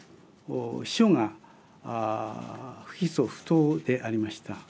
秘書が不起訴不当でありました。